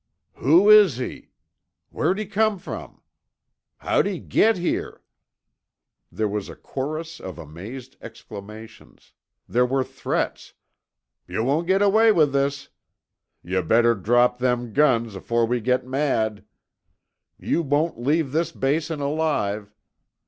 "Who is he?" "Whar'd he come from?" "How'd he git here?" There was a chorus of amazed exclamations. There were threats: "Yuh won't git away with this"; "Yuh better drop them guns afore we git mad"; "You won't leave this Basin alive."